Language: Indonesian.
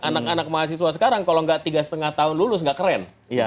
anak anak mahasiswa sekarang kalau nggak tiga lima tahun lulus nggak keren